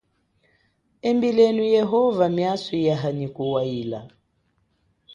Embilenu Yehova miaso yaha nyi kuwaila.